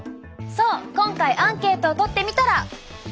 そう今回アンケートを取ってみたら。